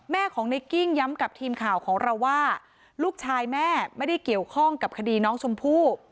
แม่ของในกิ้งย้ำกับทีมข่าวของเราว่าลูกชายแม่ไม่ได้เกี่ยวข้องกับคดีน้องชมพู่